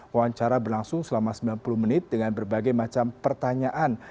wawancara berlangsung selama sembilan puluh menit dengan berbagai macam pertanyaan